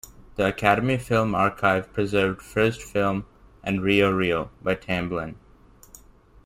The Academy Film Archive preserved "First Film" and "Rio Reel" by Tamblyn.